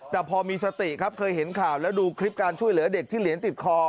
แต่พอมีสติครับเคยเห็นข่าวแล้วดูคลิปการช่วยเหลือเด็กที่เหรียญติดคอ